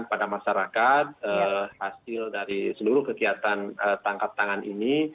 pada masyarakat hasil dari seluruh kegiatan tangkap tangan ini